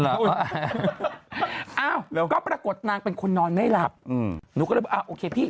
หรออ้าวก็ปรากฏนางเป็นคนนอนไม่หลับอืมหนูก็เรียกว่าอ่าโอเคพี่